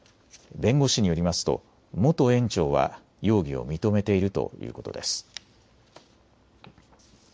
弁護士によりますと元園長は容疑を認めているということです。